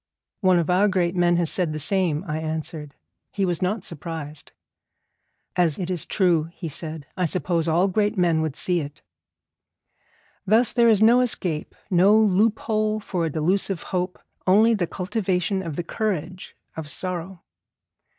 'One of our great men has said the same,' I answered. He was not surprised. 'As it is true,' he said, 'I suppose all great men would see it.' Thus there is no escape, no loophole for a delusive hope, only the cultivation of the courage of sorrow.